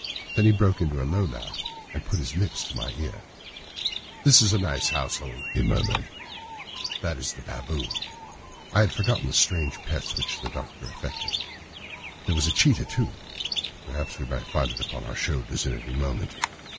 Then he broke into a low laugh and put his lips to my ear. "It is a nice household," he murmured. "That is the baboon." I had forgotten the strange pets which the Doctor affected. There was a cheetah, too; perhaps we might find it upon our shoulders at any moment.